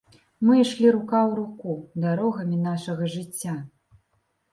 Мы ішлі рука ў руку дарогамі нашага жыцця.